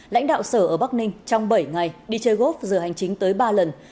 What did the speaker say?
lãnh đạo sở ở bắc ninh trong bảy ngày đi chơi gốp giờ hành chính tới ba lần